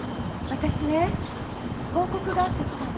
私ね報告があって来たの。